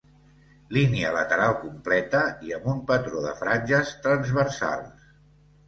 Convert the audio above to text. Línia lateral completa i amb un patró de franges transversals.